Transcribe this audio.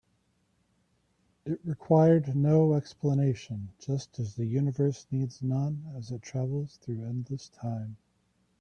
It required no explanation, just as the universe needs none as it travels through endless time.